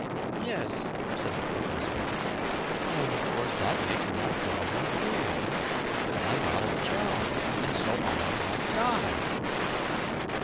"Er yes," said the professor. "And, of course, that makes my problem clear I'm out of a job, and so I must die."